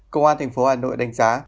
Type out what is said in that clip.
công an thành phố hà nội đánh giá